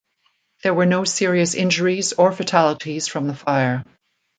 There were no serious injuries or fatalities from the fire.